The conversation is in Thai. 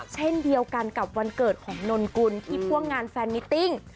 เช่นเดียวกันกับวันเกิดของนนกุลที่พ่วงงานแฟนมิติ้ง